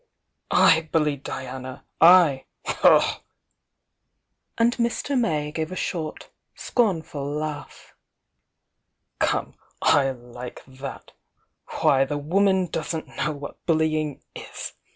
I bully Diana! I!" And Mr. May gave a short scornful laugh. "Come, I like that!^ WW £ woman doesn't know what bullying is!